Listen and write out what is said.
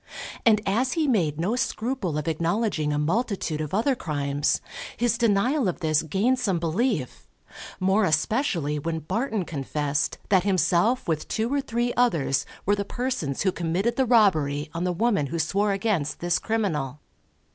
And as he made no scruple of acknowledging a multitude of other crimes, his denial of this gained some belief, more especially when Barton confessed that himself with two or three others were the persons who committed the robbery on the woman who swore against this criminal.